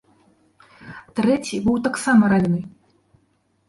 Трэці быў таксама ранены.